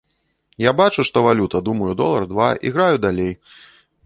Я бачу, што валюта, думаю, долар, два, і граю далей.